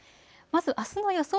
まず、あすの予想